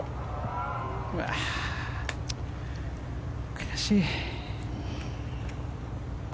悔しい。